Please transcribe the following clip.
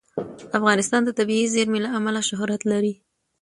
افغانستان د طبیعي زیرمې له امله شهرت لري.